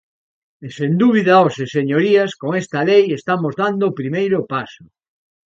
E sen dúbida hoxe, señorías, con esta lei estamos dando o primeiro paso.